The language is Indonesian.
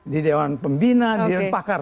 di dewan pembina di dewan pakar